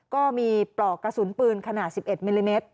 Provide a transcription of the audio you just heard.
ปลอกกระสุนปืนขนาด๑๑มิลลิเมตร